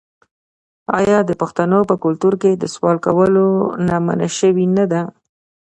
آیا د پښتنو په کلتور کې د سوال کولو نه منع شوې نه ده؟